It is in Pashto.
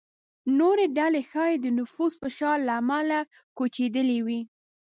نورې ډلې ښايي د نفوس فشار له امله کوچېدلې وي.